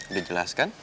udah jelas kan